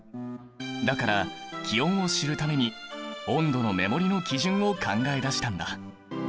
だから気温を知るために温度の目盛りの基準を考えだしたんだ！